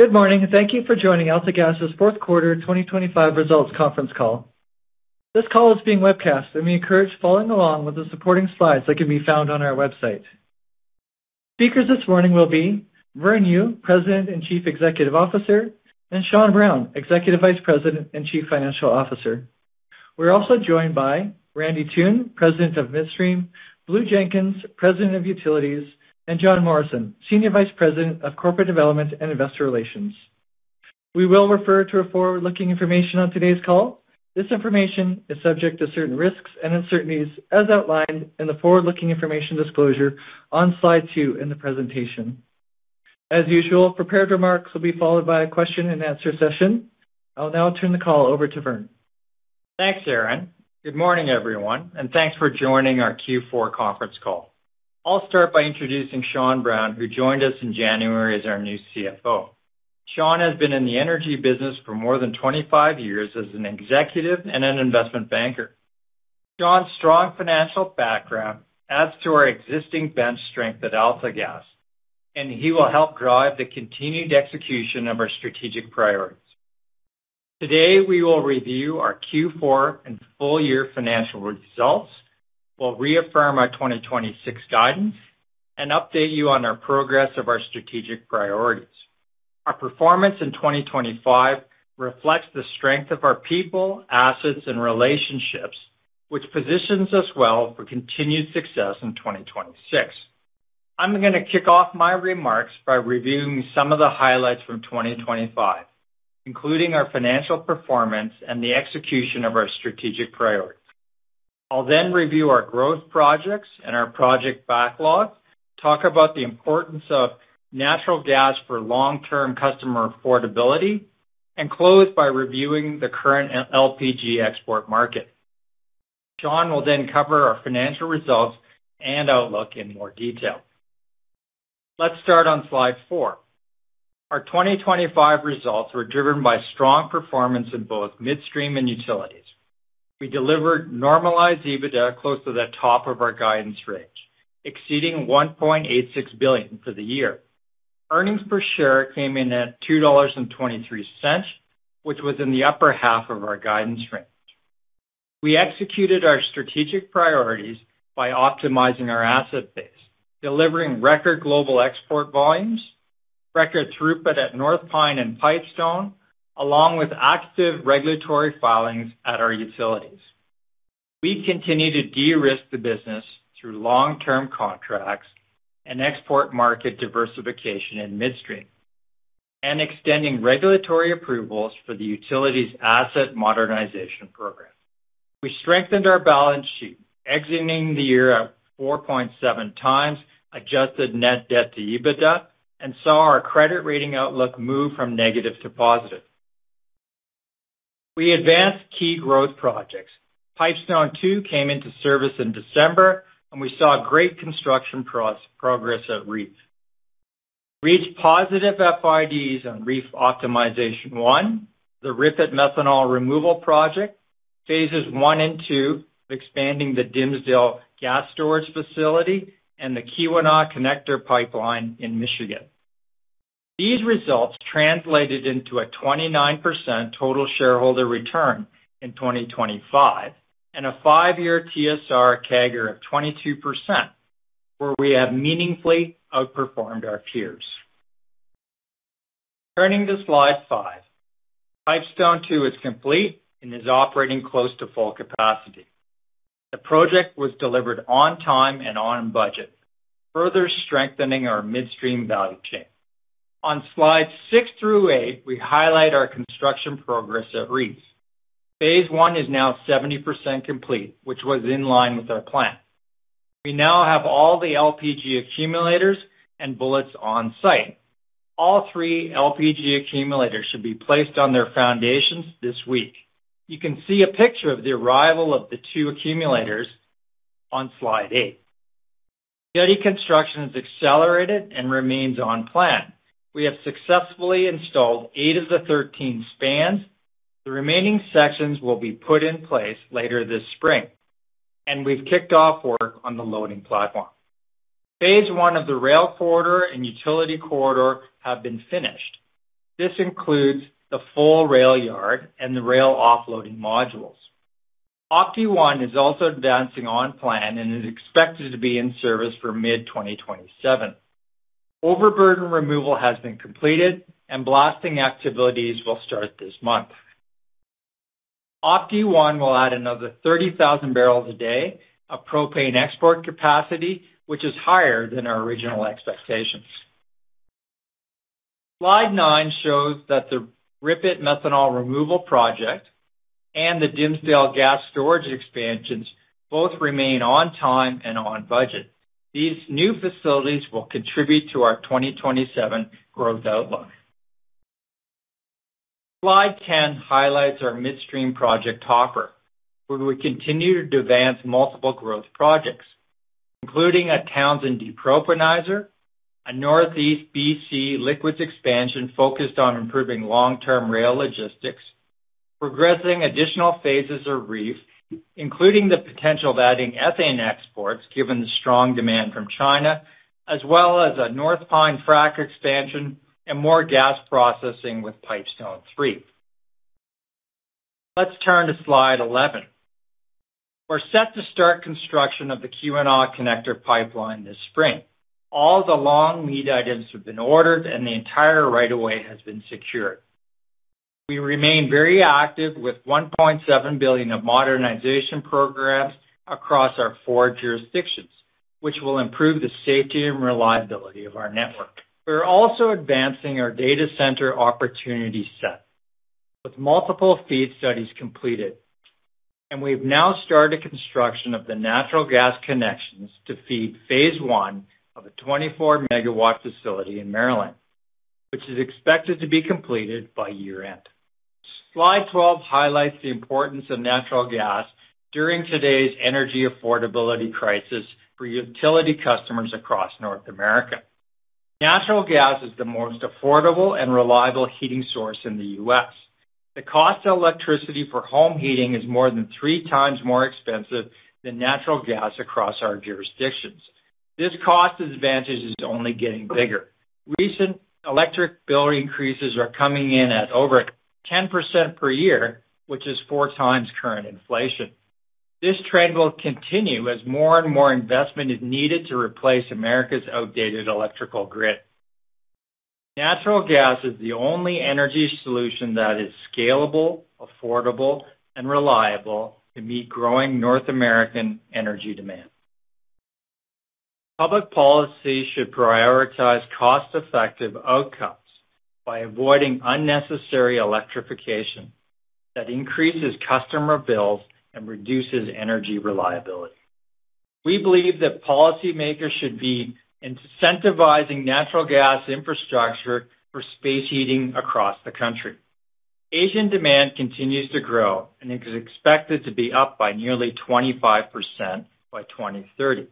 Good morning, and thank you for joining AltaGas's Q4 2025 results conference call. This call is being webcast, and we encourage following along with the supporting slides that can be found on our website. Speakers this morning will be Vern Yu, President and Chief Executive Officer, and Sean Brown, Executive Vice President and Chief Financial Officer. We're also joined by Randy Toone, President of Midstream, Blue Jenkins, President of Utilities, and Jon Morrison, Senior Vice President of Corporate Development and Investor Relations. We will refer to our forward-looking information on today's call. This information is subject to certain risks and uncertainties as outlined in the forward-looking information disclosure on slide two in the presentation. As usual, prepared remarks will be followed by a question-and-answer session. I'll now turn the call over to Vern. Thanks, Aaron. Good morning, everyone, thanks for joining our Q4 conference call. I'll start by introducing Sean Brown, who joined us in January as our new CFO. Sean has been in the energy business for more than 25 years as an executive and an investment banker. Sean's strong financial background adds to our existing bench strength at AltaGas, he will help drive the continued execution of our strategic priorities. Today, we will review our Q4 and full year financial results. We'll reaffirm our 2026 guidance, update you on our progress of our strategic priorities. Our performance in 2025 reflects the strength of our people, assets, and relationships, which positions us well for continued success in 2026. I'm gonna kick off my remarks by reviewing some of the highlights from 2025, including our financial performance and the execution of our strategic priorities. I'll review our growth projects and our project backlog, talk about the importance of natural gas for long-term customer affordability, and close by reviewing the current LPG export market. Sean will cover our financial results and outlook in more detail. Let's start on slide four. Our 2025 results were driven by strong performance in both Midstream and Utilities. We delivered normalized EBITDA close to the top of our guidance range, exceeding 1.86 billion for the year. Earnings per share came in at 2.23 dollars, which was in the upper half of our guidance range. We executed our strategic priorities by optimizing our asset base, delivering record global export volumes, record throughput at North Pine and Pipestone, along with active regulatory filings at our Utilities. We continue to de-risk the business through long-term contracts and export market diversification in Midstream and extending regulatory approvals for the utilities asset modernization program. We strengthened our balance sheet, exiting the year at 4.7 times adjusted net debt to EBITDA and saw our credit rating outlook move from negative to positive. We advanced key growth projects. Pipestone two came into service in December, and we saw great construction progress at REEF. We reached positive FIDs on REEF Optimization One, the Ripon methanol removal project, phases one and two of expanding the Dimsdale gas storage facility and the Keweenaw connector pipeline in Michigan. These results translated into a 29% total shareholder return in 2025 and a five year TSR CAGR of 22%, where we have meaningfully outperformed our peers. Turning to slide five. Pipestone two is complete and is operating close to full capacity. The project was delivered on time and on budget, further strengthening our Midstream value chain. On slides six through eight, we highlight our construction progress at REEF. Phase I is now 70% complete, which was in line with our plan. We now have all the LPG accumulators and bullets on site. All three LPG accumulators should be placed on their foundations this week. You can see a picture of the arrival of the two accumulators on slide eight. Study construction has accelerated and remains on plan. We have successfully installed eight of the 13 spans. The remaining sections will be put in place later this spring. We've kicked off work on the loading platform. Phase I of the rail corridor and utility corridor have been finished. This includes the full rail yard and the rail offloading modules. Optimization One is also advancing on plan and is expected to be in service for mid-2027. Overburden removal has been completed and blasting activities will start this month. Optimization One will add another 30,000 barrels a day of propane export capacity, which is higher than our original expectations. Slide nine shows that the Ripon methanol removal project and the Dimsdale gas storage expansions both remain on time and on budget. These new facilities will contribute to our 2027 growth outlook. Slide 10 highlights our Midstream project topper, where we continue to advance multiple growth projects, including a Townsend depropanizer, a Northeast BC liquids expansion focused on improving long-term rail logistics. Progressing additional phases of REEF, including the potential of adding ethane exports, given the strong demand from China, as well as a North Pine frac expansion and more gas processing with Pipestone 3. Let's turn to Slide 11. We're set to start construction of the QNR Connector pipeline this spring. All the long lead items have been ordered. The entire right of way has been secured. We remain very active with 1.7 billion of modernization programs across our four jurisdictions, which will improve the safety and reliability of our network. We are also advancing our data center opportunity set with multiple feed studies completed. We've now started construction of the natural gas connections to feed phase I of a 24 megawatt facility in Maryland, which is expected to be completed by year-end. Slide 12 highlights the importance of natural gas during today's energy affordability crisis for utility customers across North America. Natural gas is the most affordable and reliable heating source in the U.S. The cost of electricity for home heating is more than three times more expensive than natural gas across our jurisdictions. This cost advantage is only getting bigger. Recent electric bill increases are coming in at over 10% per year, which is four times current inflation. This trend will continue as more and more investment is needed to replace America's outdated electrical grid. Natural gas is the only energy solution that is scalable, affordable, and reliable to meet growing North American energy demand. Public policy should prioritize cost-effective outcomes by avoiding unnecessary electrification that increases customer bills and reduces energy reliability. We believe that policymakers should be incentivizing natural gas infrastructure for space heating across the country. Asian demand continues to grow, and it is expected to be up by nearly 25% by 2030.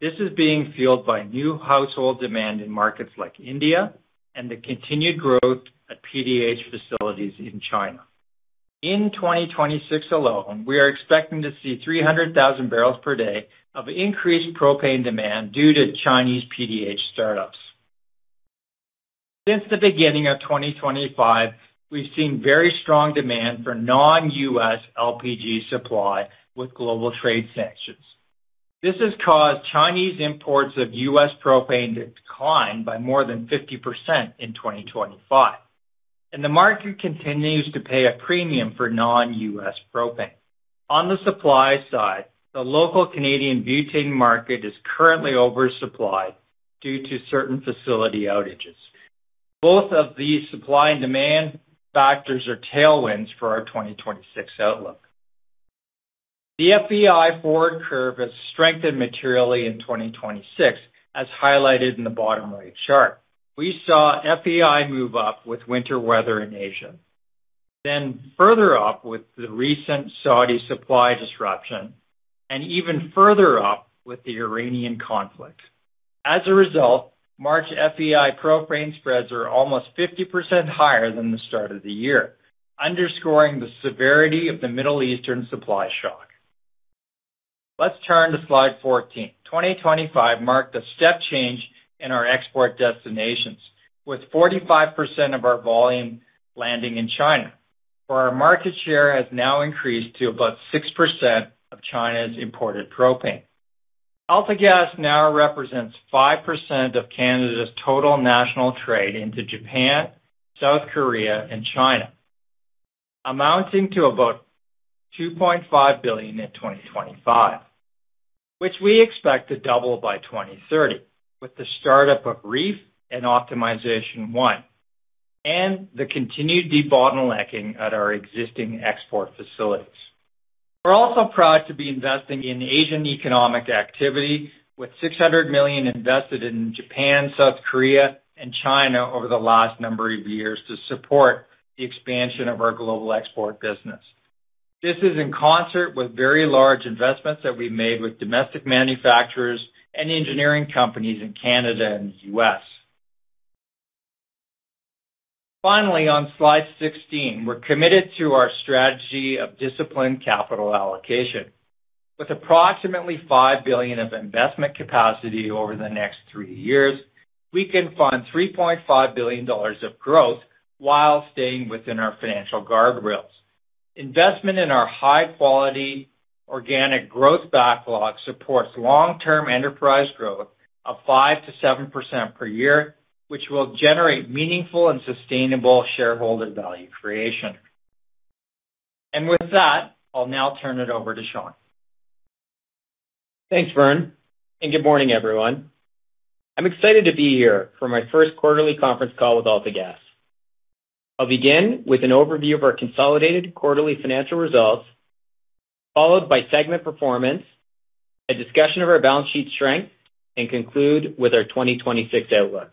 This is being fueled by new household demand in markets like India and the continued growth at PDH facilities in China. In 2026 alone, we are expecting to see 300,000 barrels per day of increased propane demand due to Chinese PDH startups. Since the beginning of 2025, we've seen very strong demand for non-U.S. LPG supply with global trade sanctions. This has caused Chinese imports of U.S. propane to decline by more than 50% in 2025, and the market continues to pay a premium for non-U.S. propane. On the supply side, the local Canadian butane market is currently oversupplied due to certain facility outages. Both of these supply and demand factors are tailwinds for our 2026 outlook. The FEI forward curve has strengthened materially in 2026, as highlighted in the bottom right chart. We saw FEI move up with winter weather in Asia, then further up with the recent Saudi supply disruption, and even further up with the Iranian conflict. As a result, March FEI propane spreads are almost 50% higher than the start of the year, underscoring the severity of the Middle Eastern supply shock. Let's turn to slide 14. 2025 marked a step change in our export destinations, with 45% of our volume landing in China, where our market share has now increased to about 6% of China's imported propane. AltaGas now represents 5% of Canada's total national trade into Japan, South Korea, and China, amounting to about 2.5 billion in 2025, which we expect to double by 2030 with the startup of REEF and Optimization One and the continued debottlenecking at our existing export facilities. We're also proud to be investing in Asian economic activity with 600 million invested in Japan, South Korea, and China over the last number of years to support the expansion of our global export business. This is in concert with very large investments that we've made with domestic manufacturers and engineering companies in Canada and the US. Finally, on slide 16, we're committed to our strategy of disciplined capital allocation. With approximately 5 billion of investment capacity over the next three years, we can fund 3.5 billion dollars of growth while staying within our financial guardrails. Investment in our high-quality organic growth backlog supports long-term enterprise growth of 5%-7% per year, which will generate meaningful and sustainable shareholder value creation. With that, I'll now turn it over to Sean. Thanks, Vern. Good morning, everyone. I'm excited to be here for my first quarterly conference call with AltaGas. I'll begin with an overview of our consolidated quarterly financial results, followed by segment performance, a discussion of our balance sheet strength, and conclude with our 2026 outlook.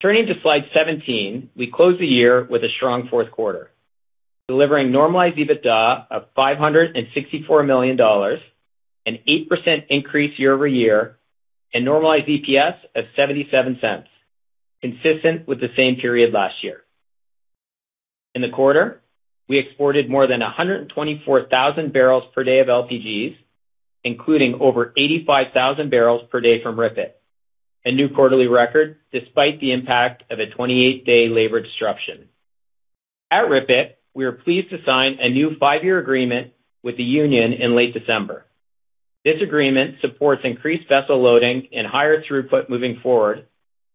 Turning to slide 17, we closed the year with a strong Q4. Delivering normalized EBITDA of 564 million dollars, an 8% increase year-over-year, and normalized EPS of 0.77, consistent with the same period last year. In the quarter, we exported more than 124,000 barrels per day of LPGs, including over 85,000 barrels per day from RIPET, a new quarterly record despite the impact of a 28 day labor disruption. At RIPET, we are pleased to sign a new five year agreement with the union in late December. This agreement supports increased vessel loading and higher throughput moving forward,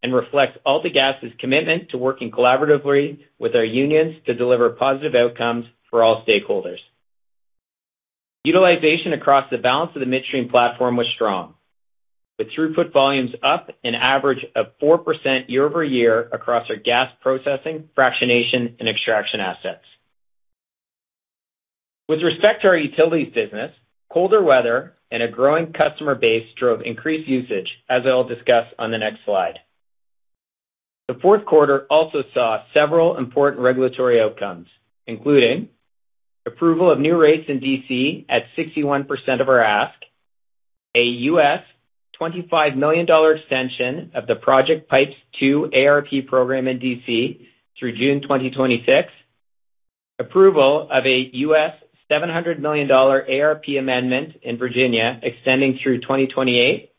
and reflects AltaGas's commitment to working collaboratively with our unions to deliver positive outcomes for all stakeholders. Utilization across the balance of the midstream platform was strong, with throughput volumes up an average of 4% year-over-year across our gas processing, fractionation, and extraction assets. With respect to our utilities business, colder weather and a growing customer base drove increased usage, as I will discuss on the next slide. The Q4 also saw several important regulatory outcomes, including approval of new rates in D.C. at 61% of our ask, a $25 million extension of the PROJECTpipes 2 ARP program in D.C. through June 2026, approval of a $700 million ARP amendment in Virginia extending through 2028.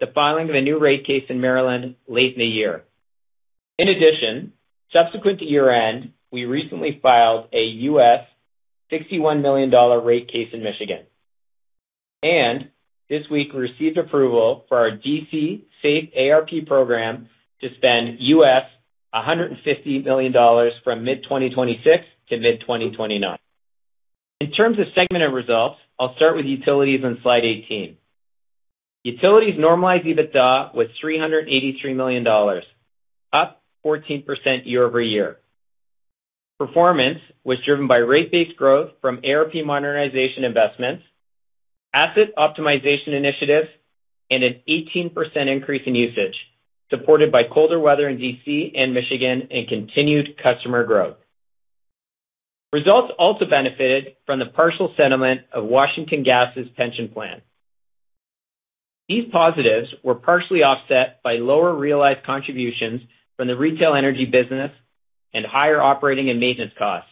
The filing of a new rate case in Maryland late in the year. In addition, subsequent to year-end, we recently filed a $61 million rate case in Michigan. This week we received approval for our D.C. SAFE ARP program to spend $150 million from mid-2026 to mid-2029. In terms of segmented results, I'll start with utilities on slide 18. Utilities normalized EBITDA was $383 million, up 14% year-over-year. Performance was driven by rate-based growth from ARP modernization investments, asset optimization initiatives, and an 18% increase in usage, supported by colder weather in D.C. and Michigan and continued customer growth. Results also benefited from the partial settlement of Washington Gas's pension plan. These positives were partially offset by lower realized contributions from the retail energy business and higher operating and maintenance costs,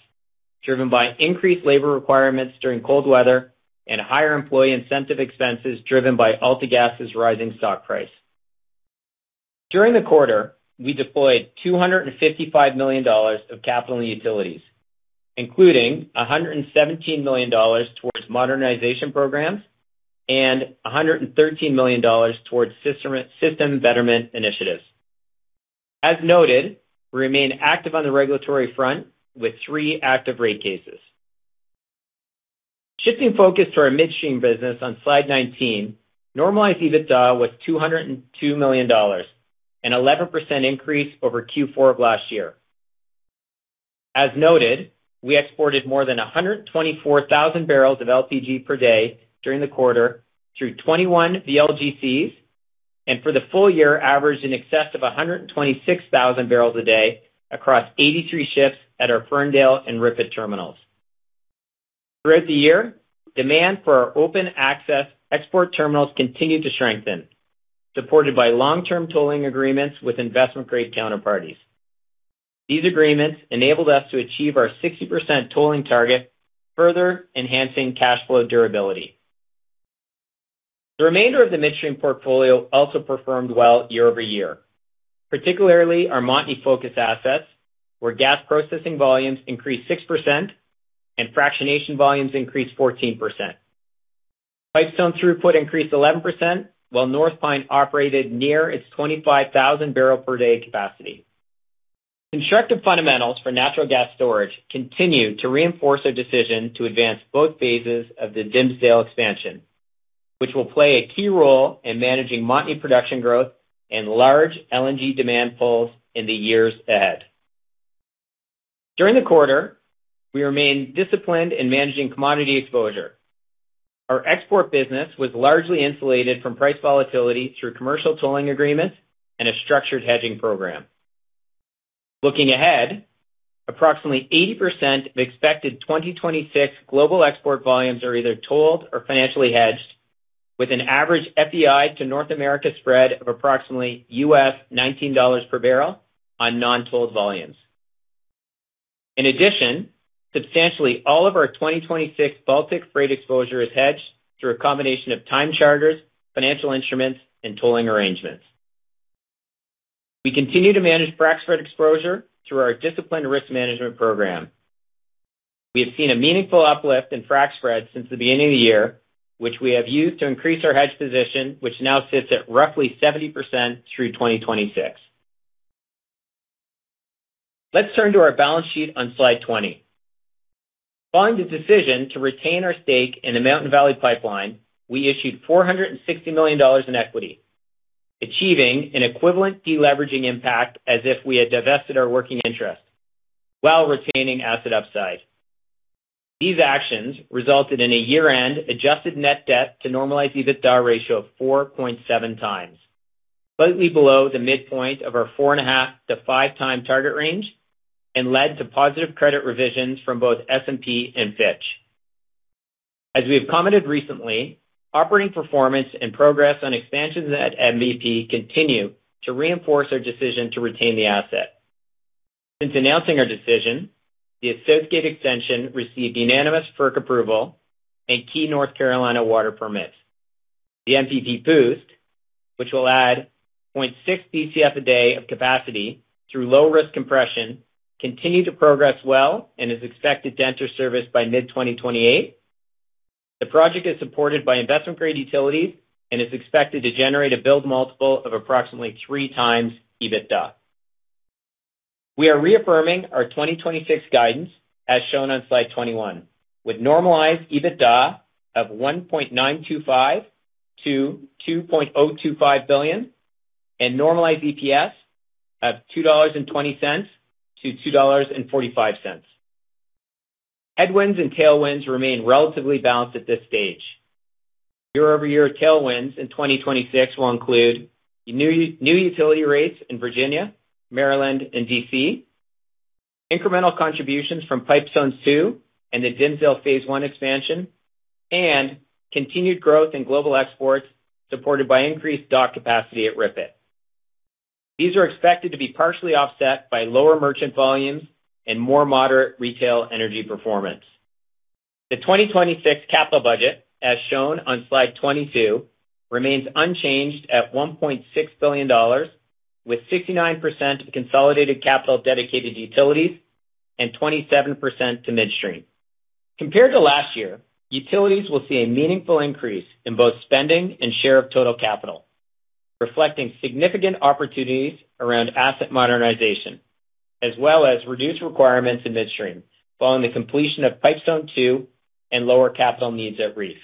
driven by increased labor requirements during cold weather and higher employee incentive expenses driven by AltaGas's rising stock price. During the quarter, we deployed 255 million dollars of capital in utilities, including 117 million dollars towards modernization programs and 113 million dollars towards system betterment initiatives. As noted, we remain active on the regulatory front with three active rate cases. Shifting focus to our Midstream business on slide 19, normalized EBITDA was 202 million dollars, an 11% increase over Q4 of last year. As noted, we exported more than 124,000 barrels of LPG per day during the quarter through 21 VLGCs, and for the full year averaged in excess of 126,000 barrels a day across 83 ships at our Ferndale and RIPET terminals. Throughout the year, demand for our open access export terminals continued to strengthen, supported by long-term tolling agreements with investment-grade counterparties. These agreements enabled us to achieve our 60% tolling target, further enhancing cash flow durability. The remainder of the Midstream portfolio also performed well year-over-year, particularly our Montney Focus assets, where gas processing volumes increased 6% and fractionation volumes increased 14%. Pipestone throughput increased 11%, while North Pine operated near its 25,000 barrel per day capacity. Constructive fundamentals for natural gas storage continued to reinforce our decision to advance both phases of the Dimsdale expansion, which will play a key role in managing Montney production growth and large LNG demand pools in the years ahead. During the quarter, we remained disciplined in managing commodity exposure. Our export business was largely insulated from price volatility through commercial tolling agreements and a structured hedging program. Looking ahead, approximately 80% of expected 2026 global export volumes are either tolled or financially hedged, with an average FEI to North America spread of approximately $19 per barrel on non-tolled volumes. In addition, substantially all of our 2026 Baltic freight exposure is hedged through a combination of time charters, financial instruments, and tolling arrangements. We continue to manage frac spread exposure through our disciplined risk management program. We have seen a meaningful uplift in frac spread since the beginning of the year, which we have used to increase our hedge position, which now sits at roughly 70% through 2026. Let's turn to our balance sheet on slide 20. Following the decision to retain our stake in the Mountain Valley Pipeline, we issued 460 million dollars in equity, achieving an equivalent deleveraging impact as if we had divested our working interest while retaining asset upside. These actions resulted in a year-end adjusted net debt to normalized EBITDA ratio of 4.7x, slightly below the midpoint of our 4.5x-5x target range and led to positive credit revisions from both S&P and Fitch. As we have commented recently, operating performance and progress on expansions at MVP continue to reinforce our decision to retain the asset. Since announcing our decision, the associated extension received unanimous FERC approval and key North Carolina water permits. The MVP Boost, which will add 0.6 Bcf a day of capacity through low risk compression, continue to progress well and is expected to enter service by mid-2028. The project is supported by investment-grade utilities and is expected to generate a build multiple of approximately 3x EBITDA. We are reaffirming our 2026 guidance as shown on slide 21, with normalized EBITDA of 1.925 billion-2.025 billion and normalized EPS of 2.20-2.45 dollars. Headwinds and tailwinds remain relatively balanced at this stage. Year-over-year tailwinds in 2026 will include new utility rates in Virginia, Maryland, and D.C., incremental contributions from PROJECTpipes 2 and the Dimsdale phase one expansion, and continued growth in global exports supported by increased dock capacity at Ripon. These are expected to be partially offset by lower merchant volumes and more moderate retail energy performance. The 2026 capital budget, as shown on slide 22, remains unchanged at 1.6 billion dollars, with 69% of consolidated capital dedicated to utilities and 27% to Midstream. Compared to last year, utilities will see a meaningful increase in both spending and share of total capital, reflecting significant opportunities around asset modernization as well as reduced requirements in Midstream following the completion of PROJECTpipes 2 and lower capital needs at REEF.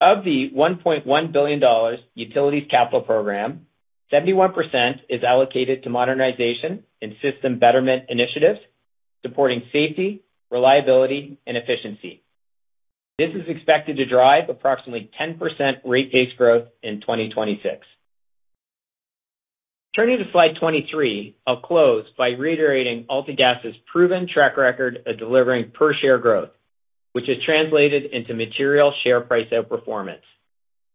Of the 1.1 billion dollars utilities capital program, 71% is allocated to modernization and system betterment initiatives supporting safety, reliability, and efficiency. This is expected to drive approximately 10% rate base growth in 2026. Turning to slide 23, I'll close by reiterating AltaGas' proven track record of delivering per share growth, which has translated into material share price outperformance.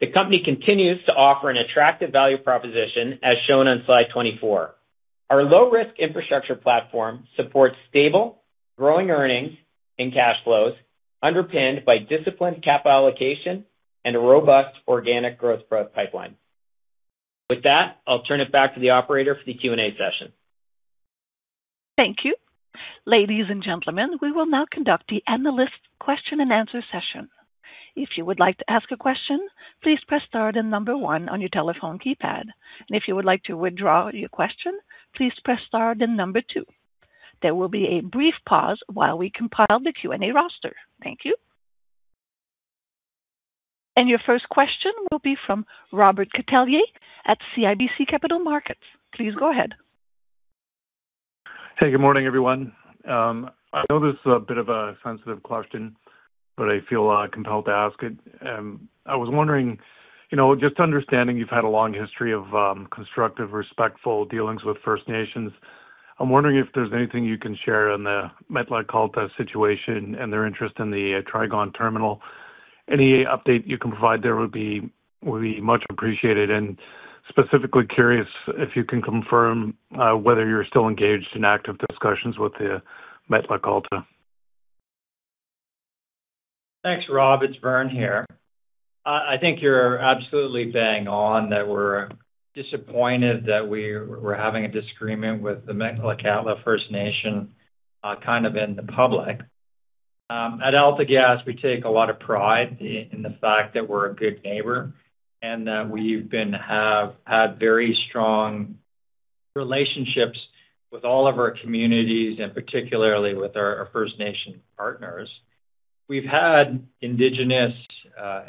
The company continues to offer an attractive value proposition as shown on slide 24. Our low risk infrastructure platform supports stable growing earnings and cash flows underpinned by disciplined capital allocation and a robust organic growth product pipeline. With that, I'll turn it back to the operator for the Q&A session. Thank you. Ladies and gentlemen, we will now conduct the analyst question-and-answer session. If you would like to ask a question, please press star then one on your telephone keypad. If you would like to withdraw your question, please press star then two. There will be a brief pause while we compile the Q&A roster. Thank you. Your first question will be from Robert Catellier at CIBC Capital Markets. Please go ahead. Hey, good morning, everyone. I know this is a bit of a sensitive question, but I feel compelled to ask it. I was wondering, you know, just understanding you've had a long history of constructive, respectful dealings with First Nations. I'm wondering if there's anything you can share on the Metlakatla situation and their interest in the Trigon terminal. Any update you can provide there would be much appreciated. Specifically curious if you can confirm whether you're still engaged in active discussions with the Metlakatla. Thanks, Rob. It's Vern here. I think you're absolutely bang on that we're disappointed that we're having a disagreement with the Metlakatla First Nation kind of in the public. At AltaGas, we take a lot of pride in the fact that we're a good neighbor and that we've had very strong relationships with all of our communities, and particularly with our First Nation partners. We've had indigenous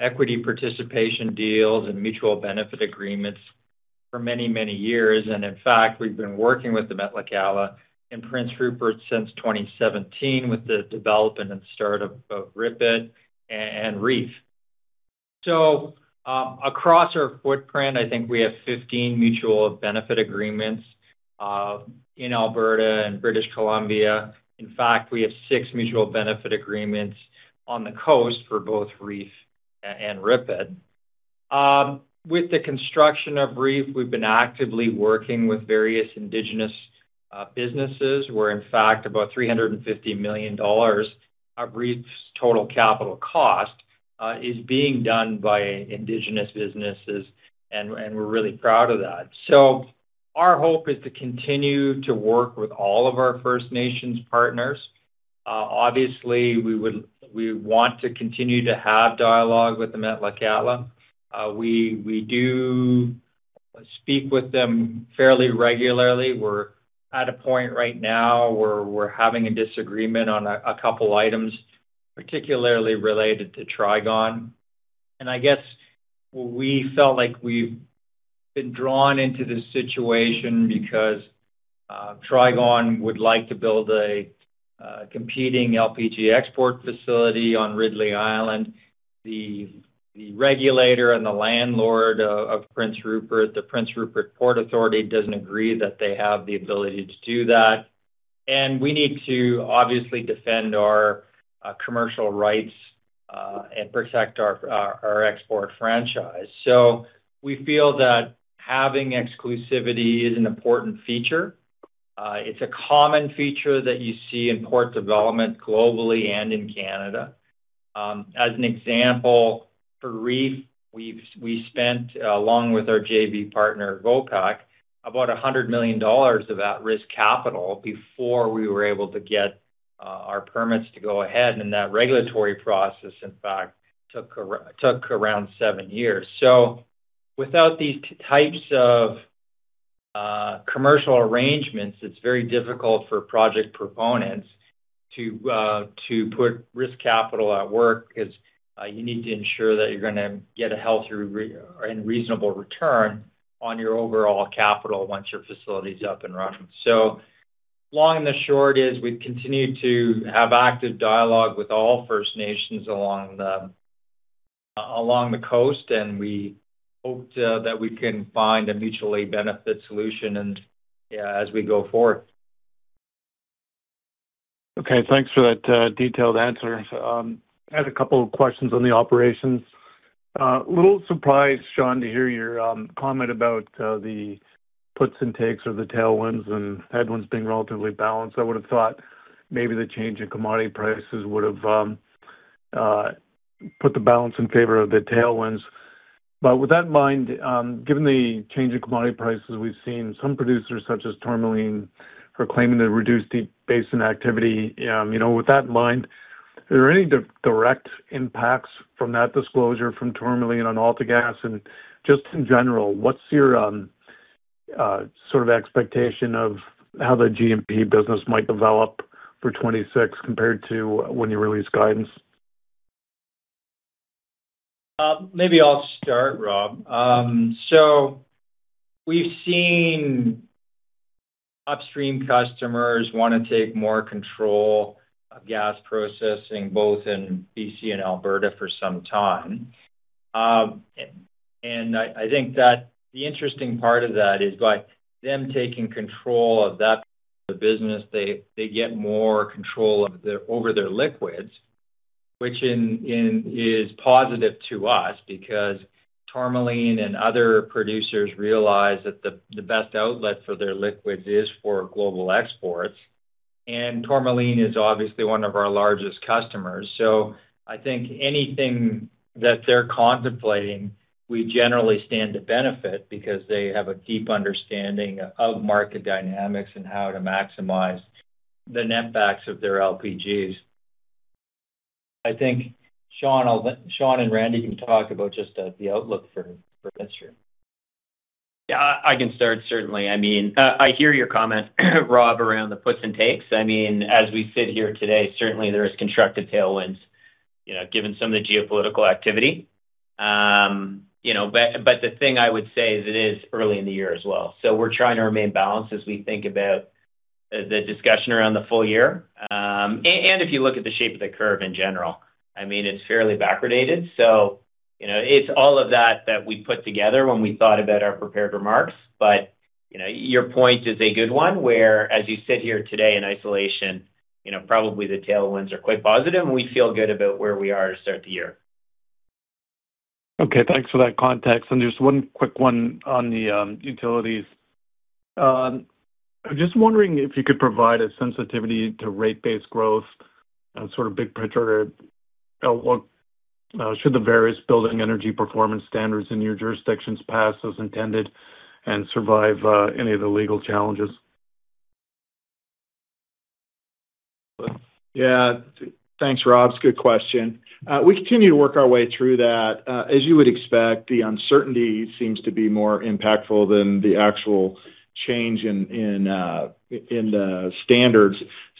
equity participation deals and mutual benefit agreements for many, many years. In fact, we've been working with the Metlakatla in Prince Rupert since 2017 with the development and start of Ripon and REEF. Across our footprint, I think we have 15 mutual benefit agreements in Alberta and British Columbia. In fact, we have six mutual benefit agreements on the coast for both REEF and Ripon. With the construction of REEF, we've been actively working with various indigenous businesses, where in fact about 350 million dollars of REEF's total capital cost is being done by indigenous businesses, and we're really proud of that. Our hope is to continue to work with all of our First Nations partners. Obviously we want to continue to have dialogue with the Metlakatla. We do speak with them fairly regularly. We're at a point right now where we're having a disagreement on a couple items, particularly related to Trigon. I guess we felt like we've been drawn into this situation because Trigon would like to build a competing LPG export facility on Ridley Island. The regulator and the landlord of Prince Rupert, the Prince Rupert Port Authority, doesn't agree that they have the ability to do that. We need to obviously defend our commercial rights and protect our export franchise. We feel that having exclusivity is an important feature. It's a common feature that you see in port development globally and in Canada. As an example, for REEF, we spent, along with our JV partner, Vopak, about 100 million dollars of at-risk capital before we were able to get our permits to go ahead. That regulatory process, in fact, took around seven years without these types of commercial arrangements, it's very difficult for project proponents to put risk capital at work 'cause you need to ensure that you're gonna get a healthy and reasonable return on your overall capital once your facility is up and running. Long and the short is we continue to have active dialogue with all First Nations along the coast, and we hope that we can find a mutually benefit solution and, yeah, as we go forward. Okay, thanks for that detailed answer. I had a couple of questions on the operations. A little surprised, Sean, to hear your comment about the puts and takes or the tailwinds and headwinds being relatively balanced. I would have thought maybe the change in commodity prices would have put the balance in favor of the tailwinds. With that in mind, given the change in commodity prices, we've seen some producers, such as Tourmaline, proclaiming to reduce deep basin activity. You know, with that in mind, are there any direct impacts from that disclosure from Tourmaline on AltaGas? Just in general, what's your sort of expectation of how the GMP business might develop for 2026 compared to when you released guidance? Maybe I'll start, Rob. We've seen upstream customers wanna take more control of gas processing both in B.C. and Alberta for some time. And I think that the interesting part of that is by them taking control of that business, they get more control over their liquids, which is positive to us because Tourmaline and other producers realize that the best outlet for their liquids is for global exports. Tourmaline is obviously one of our largest customers. I think anything that they're contemplating, we generally stand to benefit because they have a deep understanding of market dynamics and how to maximize the netbacks of their LPGs. I think Sean and Randy can talk about just the outlook for this year. Yeah, I can start, certainly. I mean, I hear your comment, Rob, around the puts and takes. I mean, as we sit here today, certainly there is constructive tailwinds, you know, given some of the geopolitical activity. You know, but the thing I would say is it is early in the year as well. We're trying to remain balanced as we think about the discussion around the full year. And if you look at the shape of the curve in general, I mean, it's fairly backwardated. You know, it's all of that that we put together when we thought about our prepared remarks. You know, your point is a good one, where as you sit here today in isolation, you know, probably the tailwinds are quite positive, and we feel good about where we are to start the year. Okay, thanks for that context. Just one quick one on the utilities. I'm just wondering if you could provide a sensitivity to rate-based growth, sort of big picture, what should the various building energy performance standards in your jurisdictions pass as intended and survive any of the legal challenges? Thanks, Rob. It's a good question. We continue to work our way through that. As you would expect, the uncertainty seems to be more impactful than the actual change in the standards.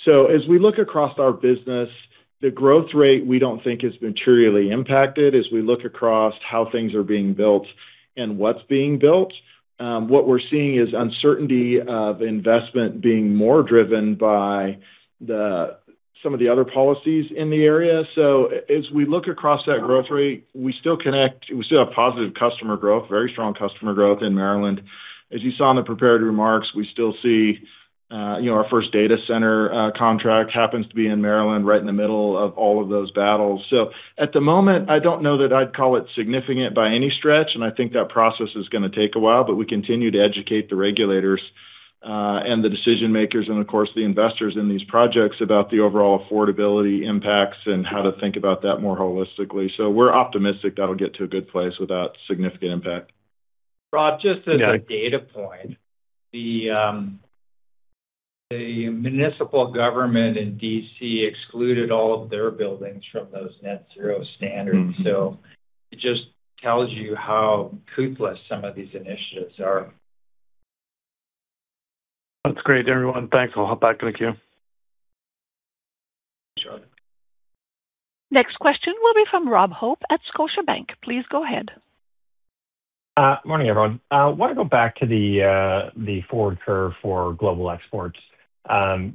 As we look across our business, the growth rate we don't think is materially impacted as we look across how things are being built and what's being built. What we're seeing is uncertainty of investment being more driven by some of the other policies in the area. As we look across that growth rate, we still have positive customer growth, very strong customer growth in Maryland. As you saw in the prepared remarks, we still see, you know, our first data center contract happens to be in Maryland, right in the middle of all of those battles. At the moment, I don't know that I'd call it significant by any stretch, and I think that process is gonna take a while. We continue to educate the regulators and the decision-makers, and of course, the investors in these projects about the overall affordability impacts and how to think about that more holistically. We're optimistic that'll get to a good place without significant impact. Rob, just as a data point, the municipal government in D.C. excluded all of their buildings from those net zero standards. Mm-hmm. It just tells you how ruthless some of these initiatives are. That's great, everyone. Thanks. I'll hop back in the queue. Next question will be from Rob Hope at Scotiabank. Please go ahead. Morning, everyone. I want to go back to the forward curve for global exports.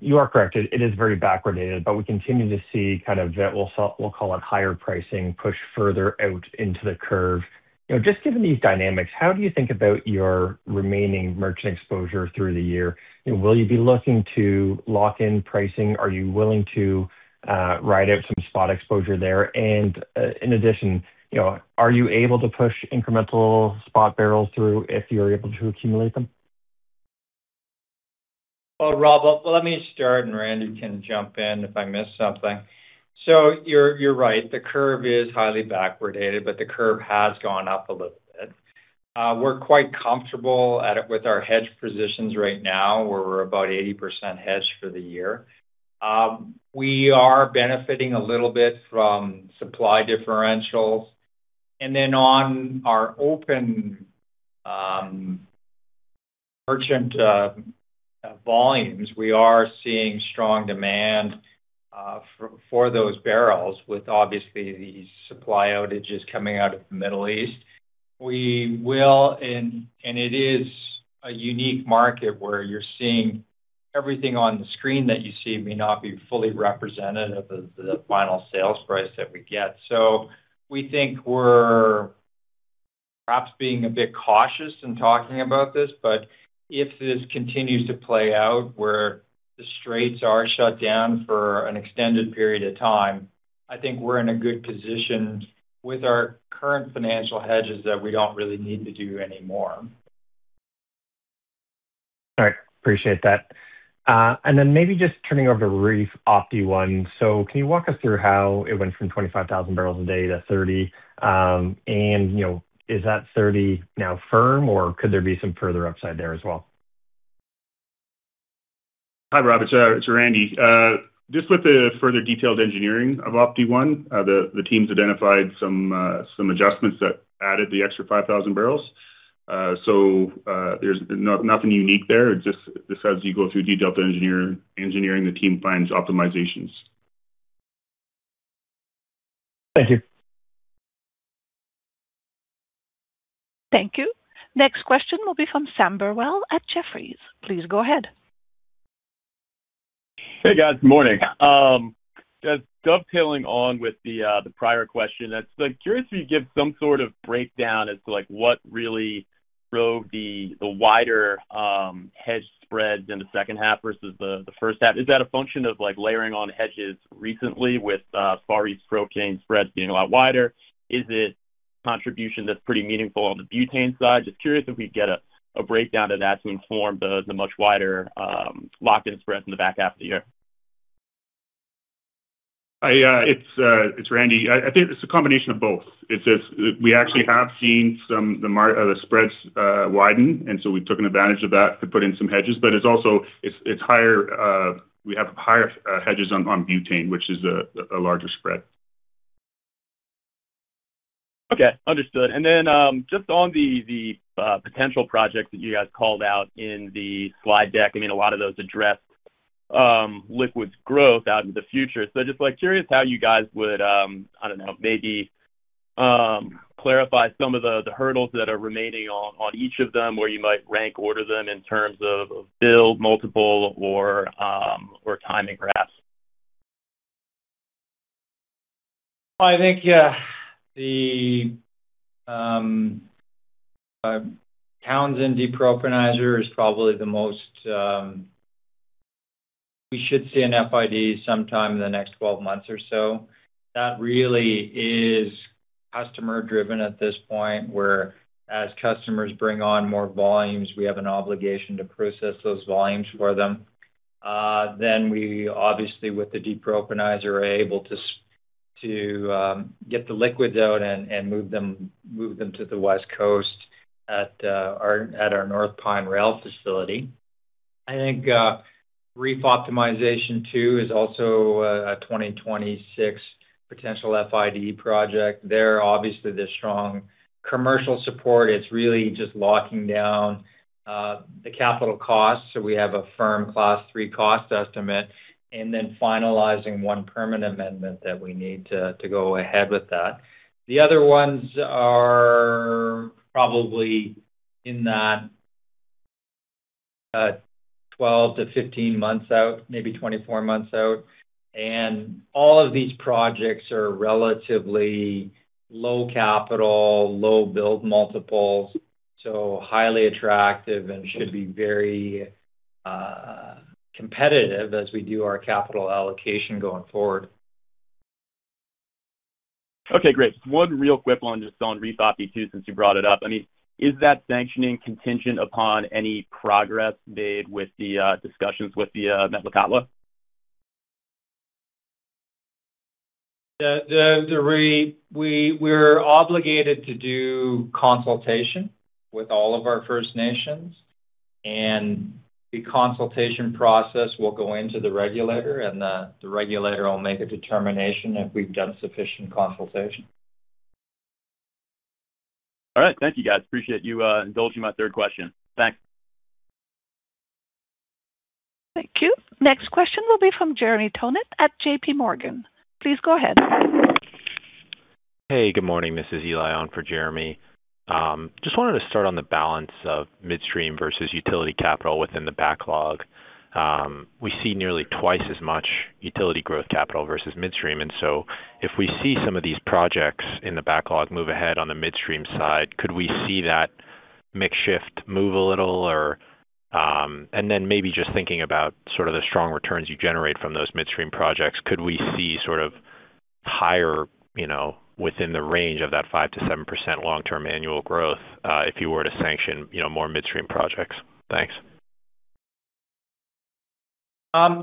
You are correct. It is very backwardated, but we continue to see kind of what we'll call it higher pricing push further out into the curve. You know, just given these dynamics, how do you think about your remaining merchant exposure through the year? Will you be looking to lock in pricing? Are you willing to ride out some spot exposure there? In addition, you know, are you able to push incremental spot barrels through if you're able to accumulate them? start, and Randy can jump in if I miss something. You're right, the curve is highly backwardated, but the curve has gone up a little bit. We're quite comfortable at it with our hedge positions right now, where we're about 80% hedged for the year. We are benefiting a little bit from supply differentials. Then on our open merchant volumes, we are seeing strong demand for those barrels with obviously these supply outages coming out of the Middle East. We will, and it is a unique market where you're seeing everything on the screen that you see may not be fully representative of the final sales price that we get. We think we're perhaps being a bit cautious in talking about this, but if this continues to play out where the straits are shut down for an extended period of time, I think we're in a good position with our current financial hedges that we don't really need to do any more. All right. Appreciate that. Maybe just turning over to REEF Op-One. Can you walk us through how it went from 25,000 barrels a day to 30? You know, is that 30 now firm or could there be some further upside there as well? Hi, Rob, it's Randy. Just with the further detailed engineering of Op-One, the teams identified some adjustments that added the extra 5,000 barrels. There's nothing unique there. Just as you go through detailed engineering, the team finds optimizations. Thank you. Thank you. Next question will be from Sam Burwell at Jefferies. Please go ahead. Hey, guys. Morning. Just dovetailing on with the prior question. I'm just curious if you give some sort of breakdown as to, like, what really drove the wider hedge spreads in the second half versus the first half? Is that a function of, like, layering on hedges recently with Far East propane spreads being a lot wider? Is it contribution that's pretty meaningful on the butane side? Just curious if we'd get a breakdown of that to inform the much wider locked in spreads in the back half of the year? It's Randy. I think it's a combination of both. It's just we actually have seen the spreads widen, and so we've taken advantage of that to put in some hedges. It's also, it's higher, we have higher hedges on butane, which is a larger spread. Okay. Understood. Just on the potential projects that you guys called out in the slide deck. I mean, a lot of those addressed liquids growth out into the future. Just, like, curious how you guys would I don't know, maybe clarify some of the hurdles that are remaining on each of them, or you might rank order them in terms of build multiple or timing graphs? I think, yeah, the Townsend Depropanizer, we should see an FID sometime in the next 12 months or so. That really is customer-driven at this point, where as customers bring on more volumes, we have an obligation to process those volumes for them. We obviously, with the Depropanizer, are able to to get the liquids out and move them to the West Coast at our North Pine rail facility. I think REEF Optimization Two is also a 2026 potential FID project. There, obviously, the strong commercial support is really just locking down the capital costs. We have a firm Class 3 cost estimate and then finalizing one permit amendment that we need to go ahead with that. The other ones are probably in that, 12 to 15 months out, maybe 24 months out. All of these projects are relatively low capital, low build multiples, so highly attractive and should be very competitive as we do our capital allocation going forward. Okay, great. One real quick one just on REEF Optimization Two, since you brought it up. I mean, is that sanctioning contingent upon any progress made with the discussions with the Metlakatla? We're obligated to do consultation with all of our First Nations, and the consultation process will go into the regulator, and the regulator will make a determination if we've done sufficient consultation. All right. Thank you, guys. Appreciate you indulging my third question. Thanks. Thank you. Next question will be from Jeremy Tonet at JP Morgan. Please go ahead. Hey, good morning. This is Eli on for Jeremy. Just wanted to start on the balance of midstream versus utility capital within the backlog. We see nearly twice as much utility growth capital versus midstream, if we see some of these projects in the backlog move ahead on the midstream side, could we see that mix shift move a little or? Maybe just thinking about sort of the strong returns you generate from those midstream projects, could we see sort of higher, you know, within the range of that 5%-7% long-term annual growth, if you were to sanction, you know, more midstream projects? Thanks.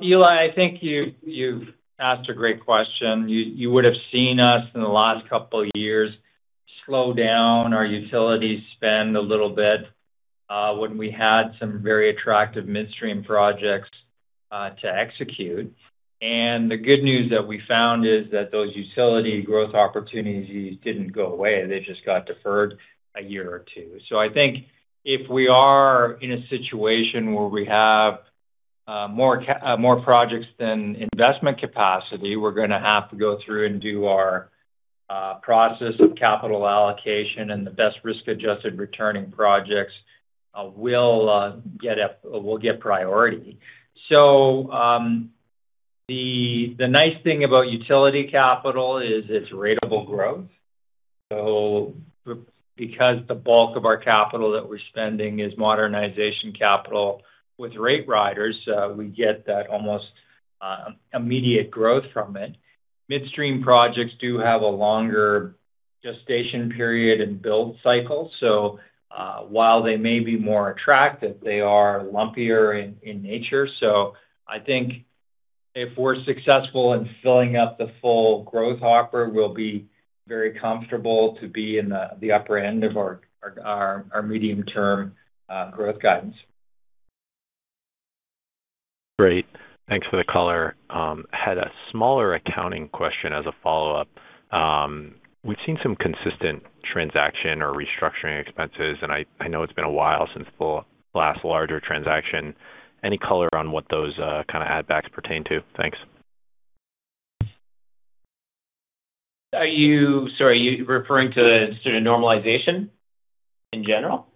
Eli, I think you've asked a great question. You would have seen us in the last couple of years slow down our utility spend a little bit when we had some very attractive midstream projects to execute. The good news that we found is that those utility growth opportunities didn't go away. They just got deferred a year or two. I think if we are in a situation where we have more projects than investment capacity, we're gonna have to go through and do our process of capital allocation, and the best risk-adjusted returning projects will get priority. The nice thing about utility capital is it's ratable growth. Because the bulk of our capital that we're spending is modernization capital with rate riders, we get that almost immediate growth from it. Midstream projects do have a longer gestation period and build cycle. While they may be more attractive, they are lumpier in nature. I think if we're successful in filling up the full growth offer, we'll be very comfortable to be in the upper end of our, our medium term, growth guidance. Great. Thanks for the color. Had a smaller accounting question as a follow-up. We've seen some consistent transaction or restructuring expenses, and I know it's been a while since the last larger transaction. Any color on what those kind of add backs pertain to? Thanks. Sorry, are you referring to sort of normalization in general?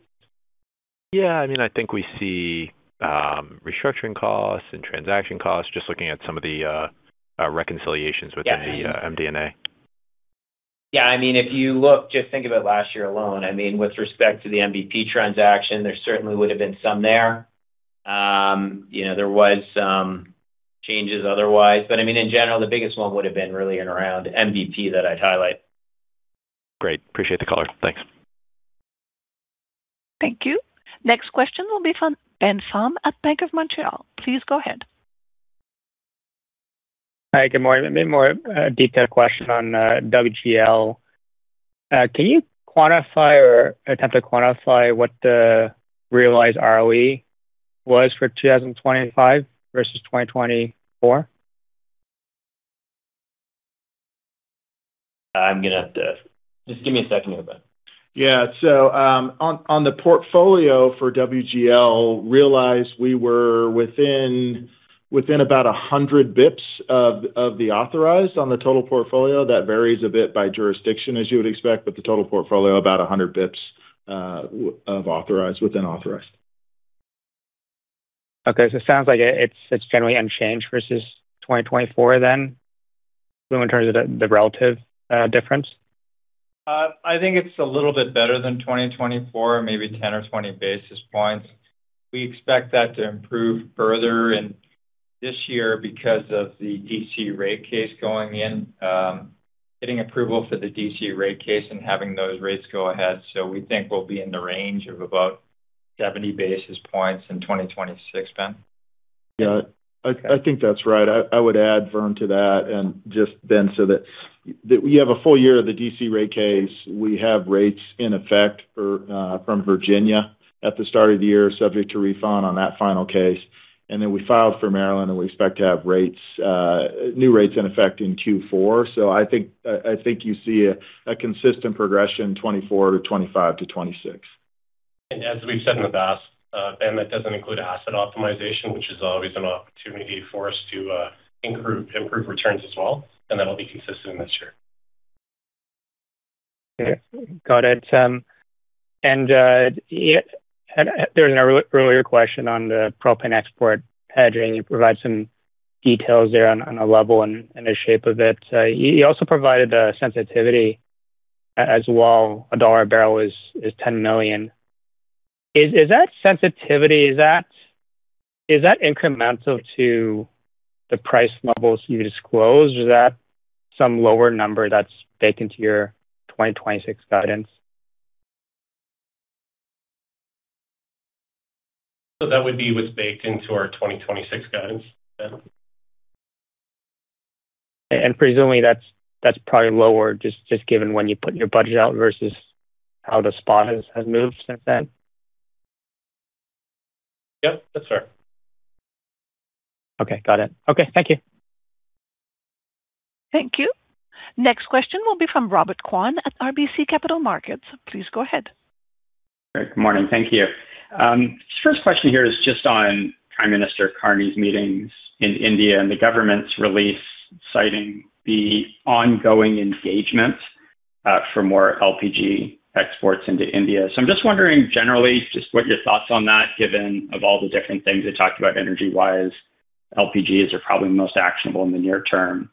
I mean, I think we see, restructuring costs and transaction costs, just looking at some of the, reconciliations within. Yeah. the MD&A. Yeah. I mean, if you look, just think of it last year alone. I mean, with respect to the MVP transaction, there certainly would have been some there. You know, there was some changes otherwise. I mean, in general, the biggest one would have been really in around MVP that I'd highlight. Great. Appreciate the color. Thanks. Thank you. Next question will be from Ben Pham at Bank of Montreal. Please go ahead. Hi. Good morning. Maybe more, a detailed question on WGL. Can you quantify or attempt to quantify what the realized ROE was for 2025 versus 2024? Just give me a second here, Ben. Yeah. On the portfolio for WGL realized we were within about 100 basis points of the authorized on the total portfolio. That varies a bit by jurisdiction, as you would expect. The total portfolio, about 100 basis points of authorized within authorized. It sounds like it's generally unchanged versus 2024 then in terms of the relative difference? I think it's a little bit better than 2024, maybe 10 or 20 basis points. We expect that to improve further in this year because of the D.C. rate case going in, getting approval for the D.C. rate case and having those rates go ahead. We think we'll be in the range of about 70 basis points in 2026, Ben. Yeah. I think that's right. I would add, Vern, to that so that we have a full year of the D.C. rate case. We have rates in effect from Virginia at the start of the year, subject to refund on that final case. We filed for Maryland, and we expect to have rates, new rates in effect in Q4. I think, I think you see a consistent progression 2024 to 2025 to 2026. As we've said in the past, Ben, that doesn't include asset optimization, which is always an opportunity for us to improve returns as well, and that'll be consistent this year. Okay. Got it. There was an earlier question on the propane export hedging. You provided some details there on a level and the shape of it. You also provided the sensitivity as well, $1 a barrel is $10 million. Is that sensitivity, is that incremental to the price levels you disclosed? Is that some lower number that's baked into your 2026 guidance? That would be what's baked into our 2026 guidance, Ben. Presumably that's probably lower just given when you put your budget out versus how the spot has moved since then. Yep. Yes, sir. Okay. Got it. Okay, thank you. Thank you. Next question will be from Robert Kwan at RBC Capital Markets. Please go ahead. Great. Good morning. Thank you. First question here is just on Prime Minister Carney's meetings in India, and the government's release citing the ongoing engagement for more LPG exports into India. I'm just wondering generally just what your thoughts on that, given of all the different things they talked about energy-wise, LPGs are probably most actionable in the near term.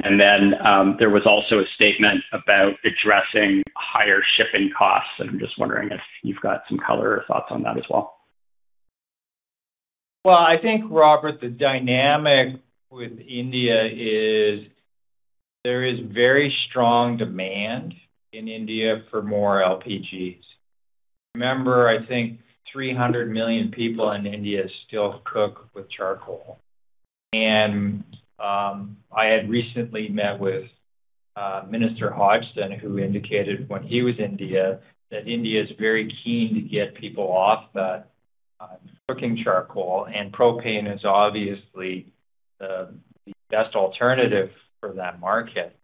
There was also a statement about addressing higher shipping costs, and I'm just wondering if you've got some color or thoughts on that as well. Well, I think, Robert, the dynamic with India is there is very strong demand in India for more LPGs. Remember, I think 300 million people in India still cook with charcoal. I had recently met with Tim Hodgson, who indicated when he was in India that India is very keen to get people off that cooking charcoal, and propane is obviously the best alternative for that market.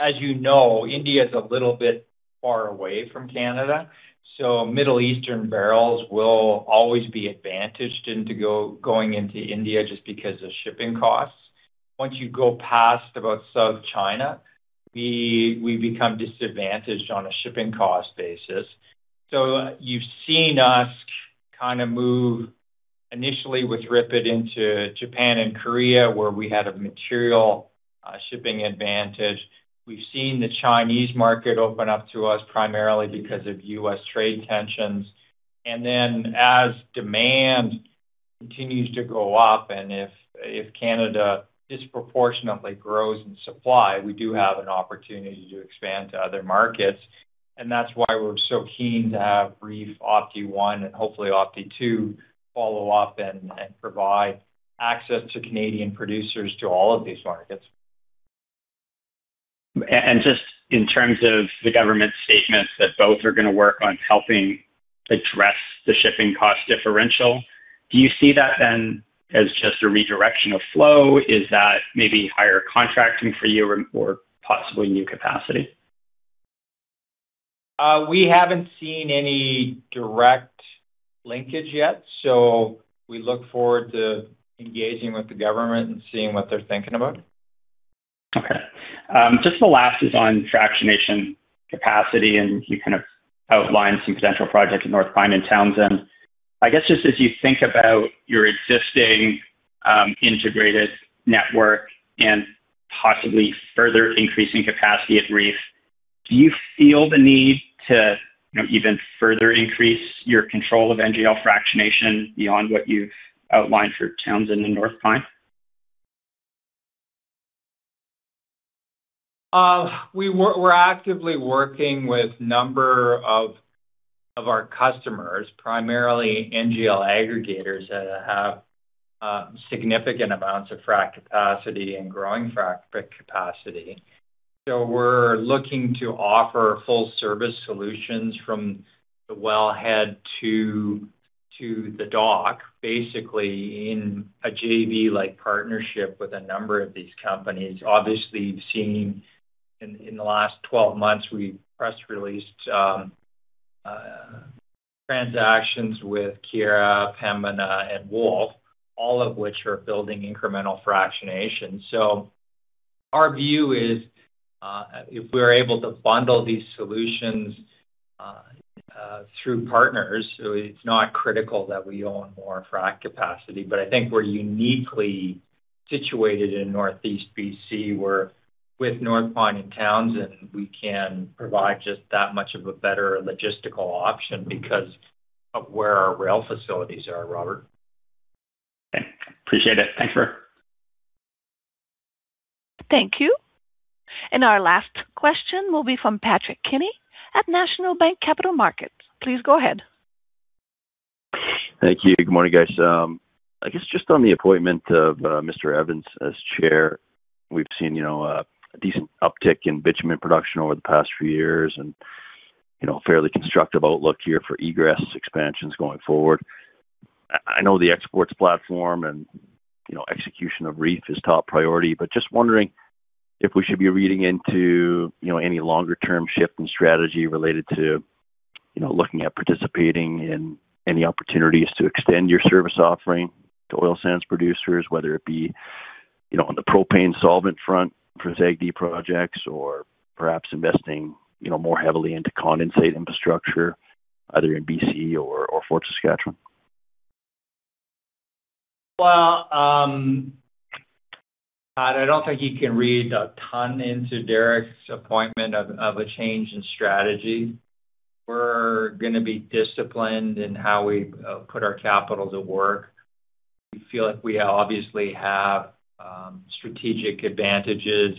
As you know, India is a little bit far away from Canada, so Middle Eastern barrels will always be advantaged going into India just because of shipping costs. Once you go past about South China, we become disadvantaged on a shipping cost basis. You've seen us kind of move initially with Ripon into Japan and Korea, where we had a material shipping advantage. We've seen the Chinese market open up to us primarily because of U.S. trade tensions. As demand continues to go up and if Canada disproportionately grows in supply, we do have an opportunity to expand to other markets. That's why we're so keen to have REEF Op-One and hopefully Op-Two follow up and provide access to Canadian producers to all of these markets. Just in terms of the government statement that both are gonna work on helping address the shipping cost differential, do you see that then as just a redirection of flow? Is that maybe higher contracting for you or possibly new capacity? We haven't seen any direct linkage yet, so we look forward to engaging with the government and seeing what they're thinking about. Okay. Just the last is on fractionation capacity. You kind of outlined some potential projects at North Pine and Townsend. I guess, just as you think about your existing, integrated network and possibly further increasing capacity at REEF, do you feel the need to, you know, even further increase your control of NGL fractionation beyond what you've outlined for Townsend and North Pine? We're actively working with a number of our customers, primarily NGL aggregators that have significant amounts of frac capacity and growing frac capacity. We're looking to offer full service solutions from the wellhead to the dock, basically in a JV-like partnership with a number of these companies. Obviously, you've seen in the last 12 months, we press-released transactions with Keyera, Pembina and Wolf, all of which are building incremental fractionation. Our view is, if we're able to bundle these solutions through partners, it's not critical that we own more frac capacity. I think we're uniquely situated in Northeast BC, where with North Pine and Townsend, we can provide just that much of a better logistical option because of where our rail facilities are, Robert. Okay. Appreciate it. Thanks. Thank you. Our last question will be from Patrick Kenny at National Bank Capital Markets. Please go ahead. Thank you. Good morning, guys. I guess just on the appointment of Derek Evans as chair, we've seen, you know, a decent uptick in bitumen production over the past few years and, you know, a fairly constructive outlook here for egress expansions going forward. I know the exports platform and, you know, execution of REEF is top priority, but just wondering if we should be reading into, you know, any longer-term shift in strategy related to, you know, looking at participating in any opportunities to extend your service offering to oil sands producers, whether it be, you know, on the propane solvent front for SAGD projects or perhaps investing, you know, more heavily into condensate infrastructure either in BC or Fort Saskatchewan. I don't think you can read a ton into Derek's appointment of a change in strategy. We're gonna be disciplined in how we put our capital to work. We feel like we obviously have strategic advantages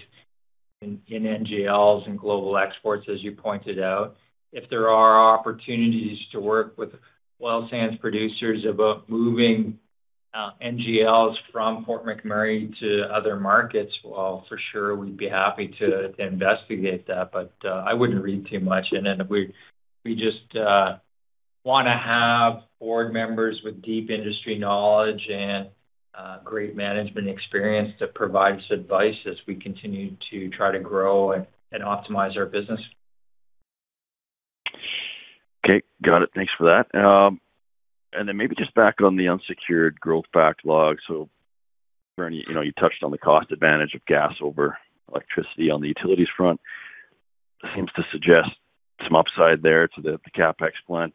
in NGLs and global exports, as you pointed out. If there are opportunities to work with oil sands producers about moving NGLs from Fort McMurray to other markets, well, for sure we'd be happy to investigate that. I wouldn't read too much into it. We just want to have board members with deep industry knowledge and great management experience to provide us advice as we continue to try to grow and optimize our business. Okay, got it. Thanks for that. Maybe just back on the unsecured growth backlog. Bernie, you know, you touched on the cost advantage of gas over electricity on the utilities front. Seems to suggest some upside there to the CapEx plan,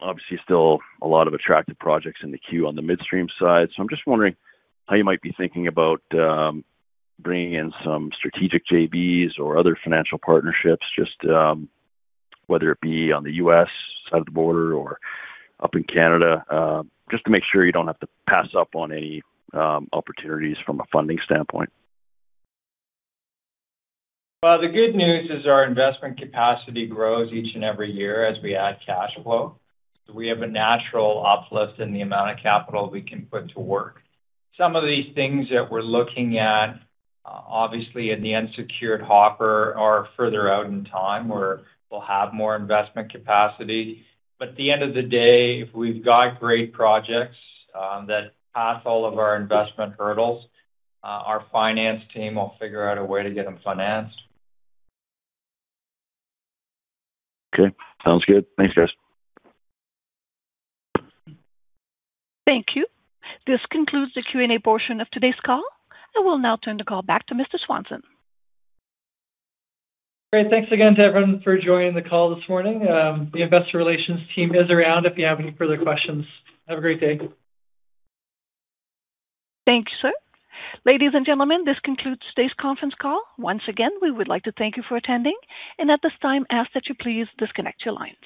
yet obviously still a lot of attractive projects in the queue on the Midstream side. I'm just wondering how you might be thinking about bringing in some strategic JBs or other financial partnerships, just whether it be on the U.S. side of the border or up in Canada, just to make sure you don't have to pass up on any opportunities from a funding standpoint. Well, the good news is our investment capacity grows each and every year as we add cash flow. We have a natural uplift in the amount of capital we can put to work. Some of these things that we're looking at, obviously in the unsecured hopper are further out in time where we'll have more investment capacity. At the end of the day, if we've got great projects that pass all of our investment hurdles, our finance team will figure out a way to get them financed. Okay. Sounds good. Thanks, guys. Thank you. This concludes the Q&A portion of today's call. I will now turn the call back to Aaron Swanson. Great. Thanks again to everyone for joining the call this morning. The investor relations team is around if you have any further questions. Have a great day. Thank you, sir. Ladies and gentlemen, this concludes today's conference call. Once again, we would like to thank you for attending, and at this time ask that you please disconnect your line.